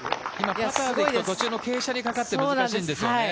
パターで行くと、途中で傾斜にかかって難しいんですよね。